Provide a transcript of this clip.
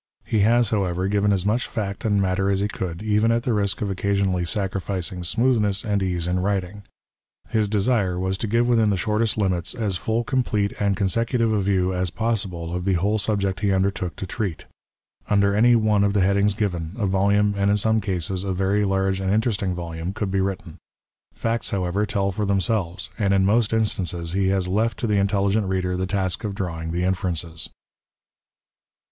He has, however, given as much fact and matter as he could, even at the risk of occasionallv sacrificins: smoothness and ease in writing. His desire was to give within the shortest limits, as full, complete, and consecutive a view as possible of the whole subject he undertook to treat. Under any one of the headings given, a volume, and in some cases, a very large and interesting volume, could be written. Pacts, however, tell for themselves, and in most instances he has left to the intelligent reader the task of drawing the inferences.